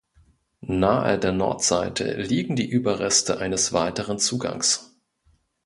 Nahe der Nordseite liegen die Überreste eines weiteren Zugangs.